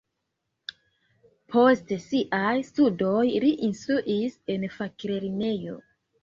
Post siaj studoj li instruis en faklernejo.